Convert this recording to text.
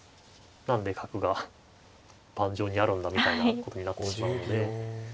何で角が盤上にあるんだみたいなことになってしまうので。